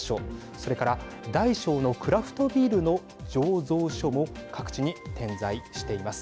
それから大小のクラフトビールの醸造所も各地に点在しています。